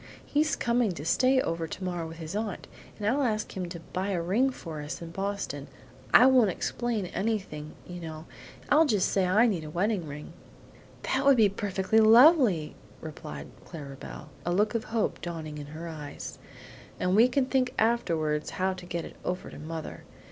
He's coming to stay over tomorrow with his aunt, and I'll ask him to buy a ring for us in Boston. I won't explain anything, you know; I'll just say I need a wedding ring." "That would be perfectly lovely," replied Clara Belle, a look of hope dawning in her eyes; "and we can think afterwards how to get it over to mother.